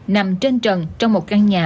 nằm trên trần trong một căn nhà